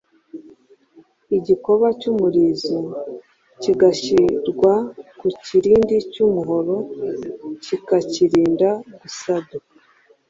igikoba cy’umurizo kigashyirwa ku kirindi cy’umuhoro kikakirinda gusaduka.